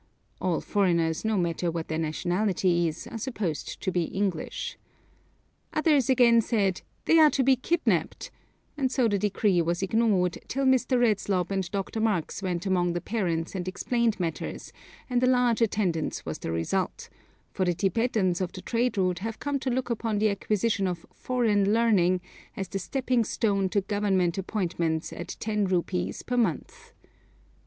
[All foreigners, no matter what their nationality is, are supposed to be English.] Others again said, 'They are to be kidnapped,' and so the decree was ignored, till Mr. Redslob and Dr. Marx went among the parents and explained matters, and a large attendance was the result; for the Tibetans of the trade route have come to look upon the acquisition of 'foreign learning' as the stepping stone to Government appointments at ten rupees per month.